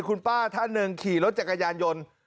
คุณป้าท่านหนึ่งขี่รถจักรยานยนต์